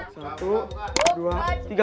satu dua tiga